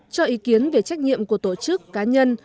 cho ý kiến về trách nhiệm của tổ chức cá nhân